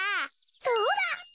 そうだ！